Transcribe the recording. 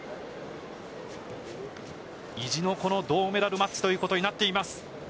意地の銅メダルマッチということになっています。